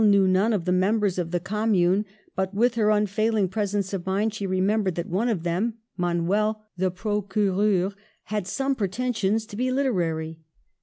6$ knew none of the members of the Commune, but, with her unfailing presence of mind, she remem bered that one of them, Manuel, the procureur, had some pretensions to be literary.